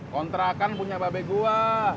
kontrakan punya mbak be gua